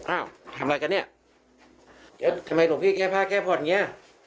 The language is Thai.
อ้าวทำอะไรกันเนี่ยแล้วทำไมหลวงพี่แก้ผ้าแก้ผ่อนอย่างเงี้ย